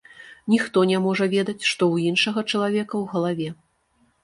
Ніхто не можа ведаць, што ў іншага чалавека ў галаве.